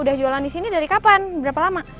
udah jualan disini dari kapan berapa lama